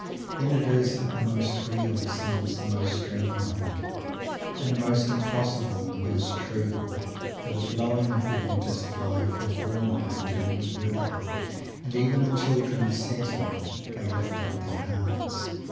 Then it is that the most real seems the most dream like, and the most impossible the most true, for the flowing of the waters of Life have fallen into a new rhythm, and even the children of Saturn may lift up their hearts!